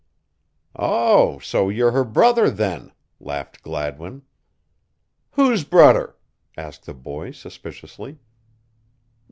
"Oh, so you're her brother, then," laughed Gladwin. "Who's brudder?" asked the boy, suspiciously.